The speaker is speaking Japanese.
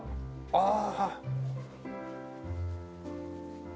ああ。